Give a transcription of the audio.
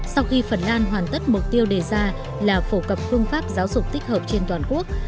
sau khi phần lan hoàn tất mục tiêu đề ra là phổ cập phương pháp giáo dục tích hợp trên toàn quốc